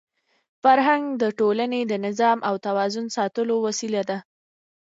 فرهنګ د ټولني د نظم او توازن ساتلو وسیله ده.